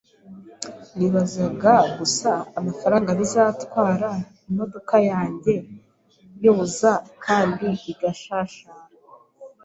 Nibazaga gusa amafaranga bizatwara imodoka yanjye yoza kandi igashashara.